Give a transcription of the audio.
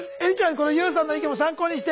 このＹＯＵさんの意見も参考にして。